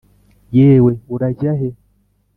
yewe urajya he?